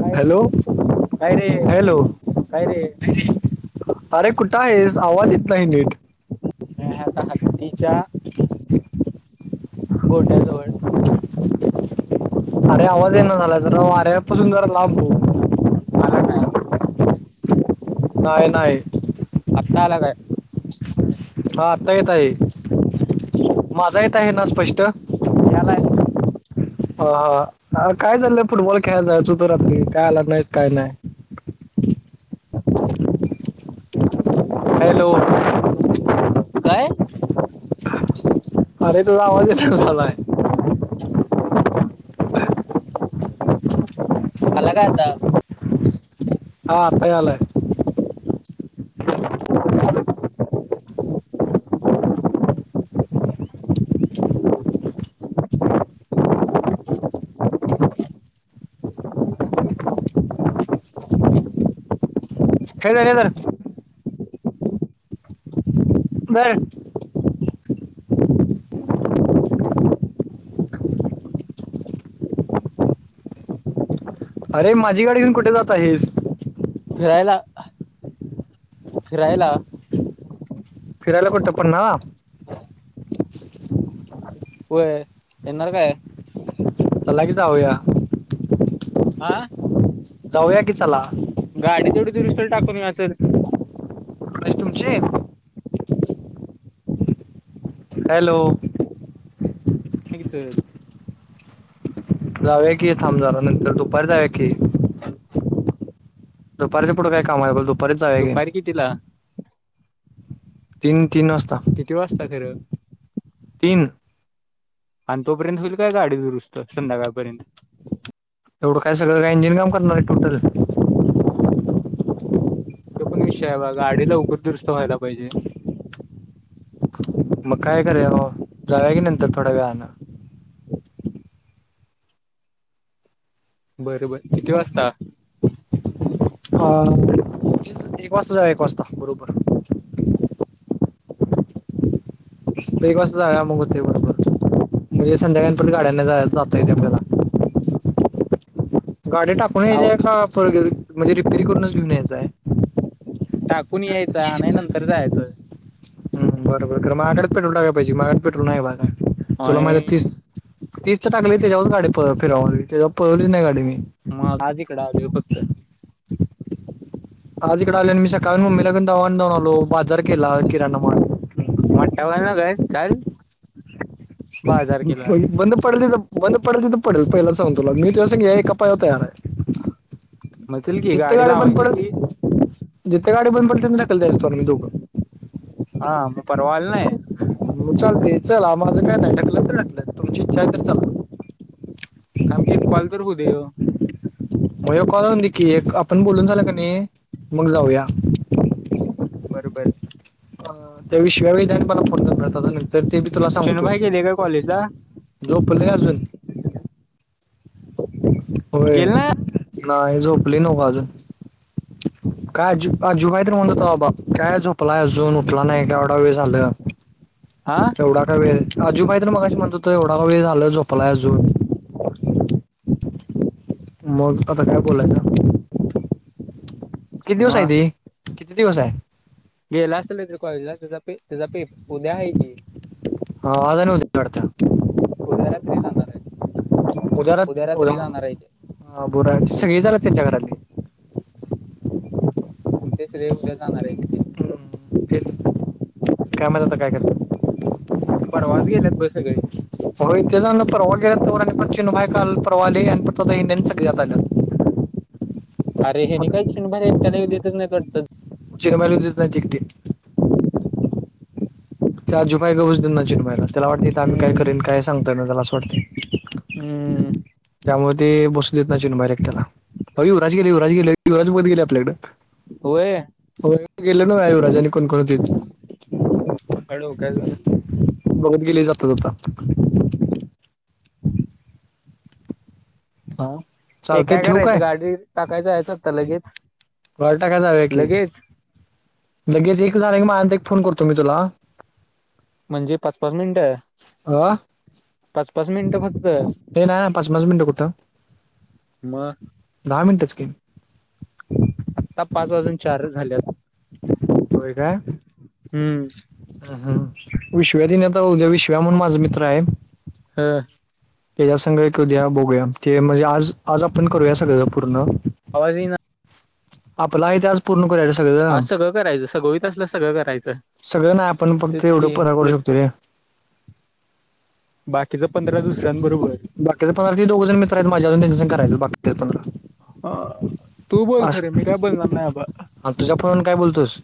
काय हॅलो काय रे हॅलो काय रे अरे कुठं आहेस आवाज इत नाही नीट. तिथं आता हत्तीच्या गोट्याजवळ. अरे आवाज येना झालाय जरा वाऱ्यापासून जरा लांब हु. आला काय नाही नाही. आत्ता आला काय? हा आत्ता येत आहे माझा येत आहे ना स्पष्ट? यालाय. ह ह काय चाललंय फुटबॉल खेळायला जायचं होतं रात्री काय आला नाहीस काय नाही. [inaudible] हॅलो. काय? अरे तुझा आवाज येत झालाय. आला काय आता? हा आता यालाय हे धर हे धर, धर. अरे माझी गाडी घेऊन कुठे जात आहेस? फिरायला फिरायला. फिरायला कुठे पन्हाळा? वय येणार काय? चला की जाऊया. आ? जाऊया की चला. गाडी तेवढडी दुरुस्तीला टाकून याचं तिथं. [unintelligible] तुमची हाय? हॅलो. घे की चल. जाऊया की थांब जरा नंतर दुपारी जाऊया की. [inaudible] दुपारच्या पुढं काय काम आहे? [unintelligible] की दुपारी कितीला? तीन-तीन वाजता. किती वाजता खरं? तीन. आणि तोपर्यंत होईल काय गाडी दुरुस्त संध्याकाळपर्यंत? एवढं काय सगळं काय इंजिन काम करणार आहे टोटल? तो पण विषय आहे बा, गाडी लवकर दुरस्त व्हायला पाहिजे. मग काय करुया भावा? जाऊया की नंतर थोड्या वेळानं. बर बर किती वाजता? अ तेच एक वाजता जाऊया एक वाजता बरोबर. एक वाजता जाऊया मग होतय बरोबर संध्याकाळी आणि परत गाड्यांना जाय जाता येतंय आपल्याला. गाड्या टा पण हे जे अहो का [unintelligible] म्हणजे रिपेरी करूनच घेऊन यायंच हाय. टाकून यायचा आणाय नंतर जायचं. बर, बर मग माझ्या गाडीत पेट्रोल टाकाय पाहिजे माझ्या पेट्रोल नाही बघा तुला माहितय होय तीस तीसच टाकलंय त्याच्यावर गाडी पळ फिरावली त्याच्यावर पळवलीच नाही गाडी मी. मग आज हिकडं आलोय फक्त. आज इकडे आलो आणि मी सकाळी मम्मीला कन दवाखान्यात जाऊन आलो, बाजार केला किराणामाल. मोठा होऊ नकस चल. बंद पडल तिथं, बंद पडल तिथं पडलं पहिला सांगतो तुला. मी तुझ्या संग याय एका पायावर तयार आहे मग चल की जिथं गाडी बंद लावायची ती पडलं, जिथ गाडी बंद पडलं तिथन ढाकलता येतो आम्ही दोघं. हा मग परवा आल नाही. मग चालते चल माझं काय नाही ढकलतं तर ढकलतं तुमची इच्छा आहे तर चला. थांब की एक कॉल तर होऊ दे ह्यो. मग ह्यो कॉल होऊन दे की एक आपण बोलून झालं का नाही, मग जाऊया. बर बर. अ त्या विशव्या, वेद्यानी मला फोन केला. आता नंतर ते बी तुला सांगतो. चुनूभाई गेले का कॉलेजला झोपलय अजून. होय गेल ना नाही झोपले न्हव का अजून. काय आजू आजु कायतरीे म्हणतं होता बाबा, काय झोपलाय अजून. उठला नाही का एवढा वेळ झालं, हा तेवढा काय वेळ? आजूभाई [unintelligible] मगाशी म्हणत होतं एवढा वेळ झालं झोपलाय अजून. मग आता काय बोलायचं? किती दिवस आहे मग ती, किती दिवस हाय? गेला असेल रे तो कॉलेजला. तेजा पे तेजा पेप उद्या आहे की. हा आजारी होते. [unintelligible] उद्या रात्री जाणार आहे उदया रात उद्या रात्री जाणार आहे ते [unintelligible] सगळे आलेत त्यांच्या घरातली. मग तेच रे उद्या जाणार आहेत ती. तेच काय माहिती आता काय करत त्यात. परवाच गेल्यात बघ सगळी. होय [unintelligible] परवा गेल्यात तवर आणि सचिनभाई काल‌ परवा आले आणि फक्त हेनी आज सगळी आल्यात. अरे हेनी कायच बाहेर एकट्यांना येऊ देतच नाही वाटतं. चिनमय [unintelligible] नाही चिकती. ते आजूभाई गप [unintelligible] त्याला वाटतंय आम्ही काय हम्म करेन काय सांगता यीना त्याला असं वाटतंय. हम्म. त्यामुळे ते बसून देत ना चिन [unintelligible] बाय त्याला. अई युवराज गेलं, युवराज गेलं. युवराज बघत गेलंय आपल्याकडं. होय. होय गेले ना आयुवराजानी कोण कोण होती. हळु काय झालेय. बघत गेली जाता जाता. हा ये चालते काय ठेवू करायचं गाडी टाकायचं यायचं आता लगेच. बॉल टाकाय जावूया की, लगेच लगेच एक झालं की मग आणि नंतर एक फोन करतो मी तुला. म्हणजे पाच पाच मिनटं अ आहे पाच पाच मिनटं फक् ते नाय ना पाच पाच मिनिटं कुठं मग दहा मिनिटच की आत्ता पाच वाजून चारच झाल्यात. होय का? हम्म हम्म हम्म. विश्व्या तेनी आता ऊद्या विश्व्या म्हणून माझा मित्र आहे. हा. तेज्या संग ही कधी या बघूया ते म्हणजे आज आज आपण करूया सगळं पूर्ण. आवाज येईना. आपला इतिहास पूर्ण करायच्या सगळं. करायचं सगोइत असलं सगळं करायचं. सगळं नाही आपण फक्त एवढं परा करू शकतो रे. बाकीचा पंधरा दुसऱ्यांबरोबर. बाकीचे पंधरा ती दोघं जण मित्र आहेत माझ्या [unintelligible] करायच बाकीचे पंधरा. आ अस आन तुझ्या फोनून काय बोलतोस?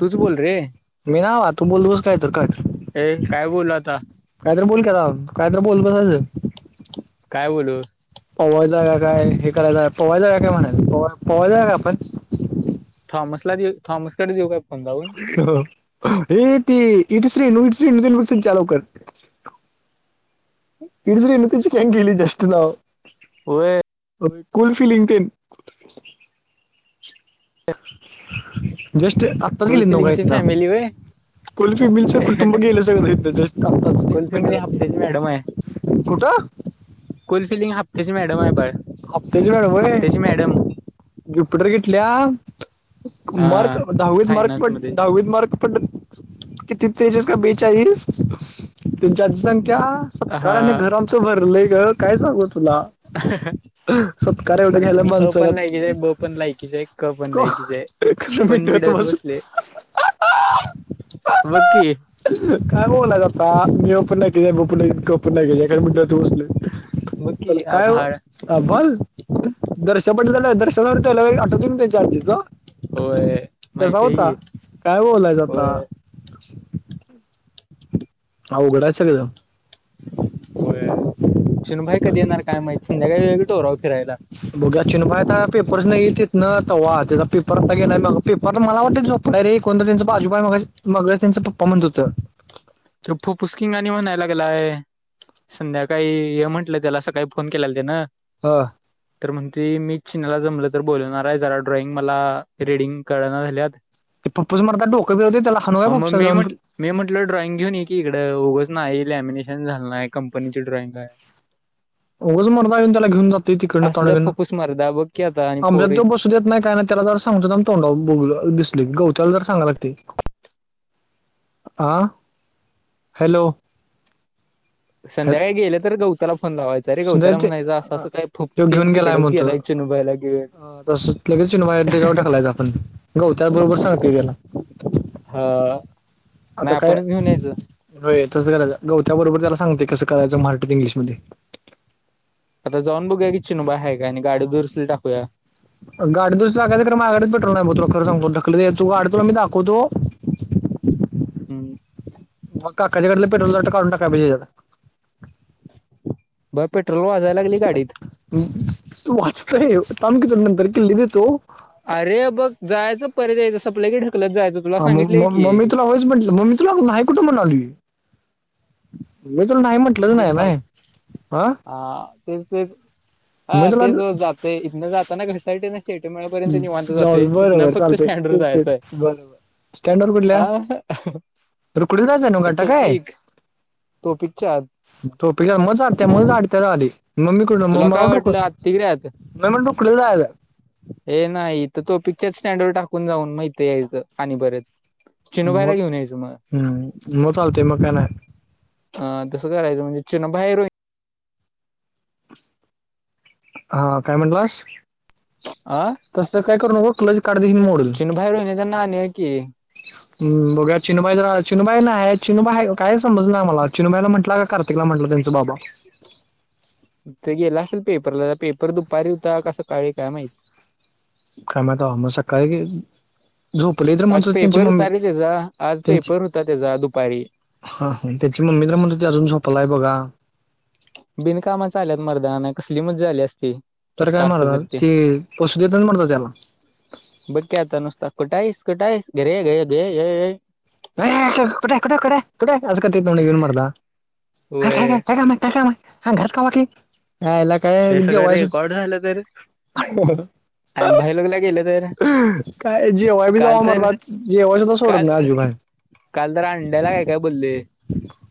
तूच बोल रे मी ना वा तू बोललोस काय तर कायतर. हे काय बोल आता. काहीतरी बोल की आता काय तर बोलत बसायचं. काय बोलू? पोवाय जाऊया काय, हे कराय जाऊया, पोवाय जाऊया काय म्हणायचं. पोवाय पोवाय जाऊया काय आपण? थॉमसला देऊ थॉमसकडे देऊ काय कोण लावून? हे ते इट श्री [unintelligible] चा लवकर. [unintelligible] गेली जस्ट नाव होय. कुल फिलिंग तेन. जस्ट आत्ताच कोल गेलीत न्हव का फिलिंगची हितनं. फॅमिली होय कुल फिमिलचं कुटुंब गेलं सगळं. कोल फॅमिली [unintelligible] हप्त्याची मॅडम आहे. कुठं कोलफिलिंग हप्त्याची मॅडम आहे बाळ हप्त्याची मॅडम व्हय हप्त्याची मॅडम. ज्युपिटर घेतल्या अ मारक दहावीत मार्क फायनान्स पड मध्ये दहावीत मार्क पडत किती तेजस का बेचाळीस तुमची आची संख्या कारण नाही हा घर आमचं भरलंय गं काय सांगू तुला. [unintelligible] सत्कार एवढं मल घ्यायला मी अ माणसाला पण लायकीचा आहे ब पण लायकीचा आहे क पण को लायकीचा आहे. खरं पण मिठवत मिडत बसू बसले, बघ की. काय बोलायच आता मीय पण नाही ब पण क पण नाही गेले काय म्हणलं तुसले. बघ तर की काय ओ? आभाळ अ बल दर्शापट झालं दर्शनावर टेवला आठवतून त्यांच्या आजीचा. होय कसा माहिती आहे होता की काय बोलायचं होय आता. अवघडच सगळं. होय चिनूभाई कधी येणार काय माहित. संध्याकाळी जाऊया की डोंगराव फिरायला. बघूया चिनू भैया आता पेपर असं येईल तीतना तवा परत नाही मग पेपर मला वाटते झोपलाय रे कोणतं त्यांचं आजूबा मग त्यांच पप्पा म्हणत होतं. तप्फू पुस्किंग आणि म्हणणायलागेलाय [unintelligible] संध्याकाळी हे म्हंटलं त्याला अस काही फोन केलेला तेन. हा. तर म्हणती मी चिनाला जमलं तर बोलणार आहे जरा ड्रॉइंग मला रीडिंग कलना झाल्यात. ते फुफ्फुस मर्दा डोकं हलवतंय त्याला हलवा हा मग फुफसाला मी जाऊन. म्हट मी म्हटलं ड्रॉइंग घेऊन ये की इकडं उगंच नाही लॅमिनेशन झाल नाही कंपनीची ड्रॉइंग आहे. उगाच मर्दा त्याला येऊन घेऊन जातो तिकडं असलं फपूस मर्दा बघ की आता आणि पोरी [unintelligible] देत नाही काय नाही त्याला जर सांगत तोंडा ब दिसली गवत्याला जर सांायला लागते [unintelligible] आह? हॅलो! हॅ संध्याकाळी गेले तर गौताला फोन लावायच तरी समजा गवत्याला ते म्हणच्या असं असं काय फूफ तो स्कीन घेऊन गेलाय तिकडच गेल्याचे नुभावला घे. लगेचिनवायर दिगव टाकलाय गं आपण गवत्या बरोबर सांगते त्याला. हां. आता काय वय तसं करायचं गवत्या बरोबर त्याला सांगते कसं करायचं मराठीत इंग्लिशमध्ये. आता जाऊन बघूया की चिनूबा आहे काय नाय गाडी दुरसली टाकूया. गाडी दुस लागायचं खरं मा गाडीत पेट्रोल नाही भाऊ तुला खरं सांगतो ढकलत याय तो गाडी तुला मी दाखवतो. हम्म. मग काकाच्या गाडीला पेट्रोल सारखा काढून टाकालाय बाईया. बरं पेट्रोल वाजयला लागली गाडीत. तू वाच काय यो थांब कि तुला नंतर किल्ली देतो. अरे बघ जायचं परत यायचं सपला की ढकलत जायचं. तुला हा म मी सांगितलंय म मी की म मी तुला होयच म्हटलं म मी तुला नाही कुठं म्हणालोय. मी तुला नाही म्हटलंच नाही बिनकाम नाय हां. हा तेच तेच आ तेच तुला रोज जाते इथनं जात ना घरसाठीने. थियटर मेळापर्यंत निवांत हम्म. जाऊ जाते तिथनं बरोबर फक्त स्टँडरड जायचंय. स्टॅडरड वडी [unintelligible] [unintelligible] तो पिक्चर तोपी म काय चालत्या म झाडत्या झाली मम्मी कडून म तुला मला काय ऑर्डर वाटलं कर. आत्तिगऱ्यात [unintelligible] ये नाही तर तो टाॅपिकच्या स्टँडर वरच, टाकून जाऊन माहितेय इथं आणि परत. चिनू भाईला मग घेऊन यायचं मग हम्म. मग चालते, मग काय नाही. अ तसं करायचं, म्हणजे चेना बाहेर होईल. हा काय म्हणलास? आं? काय करू नको, क्लच काढलं की मोडल भाई रोहिणी त्यांना आणूया की [unintelligible] चिनूबाईच चिनूबाई ना आहे चिनूबाई काय समज ना मला चिनूबाईला म्हटलं का कार्तिकला म्हटलं त्यांचं बाबा. तर गेला असेल पेपरला तर पेपर दुपारी होता का सकाळी काय माहिती. कामा त हमेशा काही क [unintelligible] आज पेपर होता रे त्याचा आज त्यांची पेपर होता त्याचा दुपारी. हा हा त्याची मम्मी तर म्हणत होती अजून झोपलाय बघा. बिनकामा चा आल्यात मर्दा नाहीतर कसली मज्जा आली असती. तर काय एकटा असं मारतात तर ते पशु देतच मारतात त्याला. बघ की आता नुसता, कुठाईस कुठाईस घरे ग ग. ये कुठाय कुठाय कुठाय कुठाय कुठाय असं करतय, तोंड घेऊन मर्दा हे काय होय गं काय काम काम. हा घात कामकीी ह हे एलाकय सगळं जवयसून रेकॉर्ड झालं तर आणि भायलोकला गेलं तर [unintelligible] काय जेवाय बी काल जाव तर म्हणला जेवाय बी सोडत काल नाहीआजी बाहेर. काल तर अंड्याला काय काय बोलले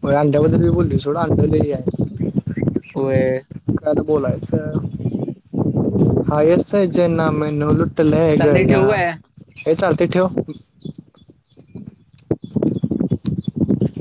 होय अंड्याबदल मी बोलोय सोड, अंड लै हे‌ हाय होय. काय तर बोलायचं हा, [unintelligible] इथं लै ग चालतंय या, ठेवू काय? ये चालतंय ठेव. [unintelligible] [inaudible]